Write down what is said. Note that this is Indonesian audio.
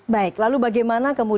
baik lalu bagaimana